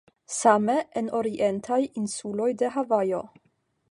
Same en orientaj insuloj de Havajo.